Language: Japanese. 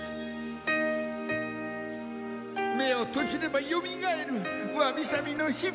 目を閉じればよみがえるわびさびの日々。